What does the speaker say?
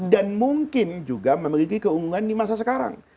dan mungkin juga memiliki keunggulan di masa sekarang